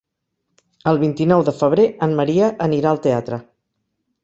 El vint-i-nou de febrer en Maria anirà al teatre.